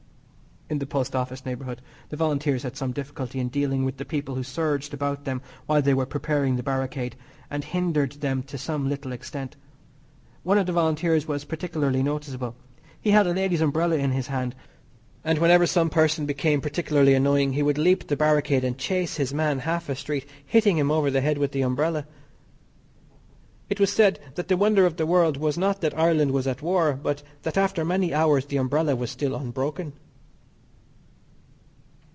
In the Post Office neighbourhood the Volunteers had some difficulty in dealing with the people who surged about them while they were preparing the barricade, and hindered them to some little extent. One of the Volunteers was particularly noticeable. He held a lady's umbrella in his hand, and whenever some person became particularly annoying he would leap the barricade and chase his man half a street, hitting him over the head with the umbrella. It was said that the wonder of the world was not that Ireland was at war, but that after many hours the umbrella was still unbroken.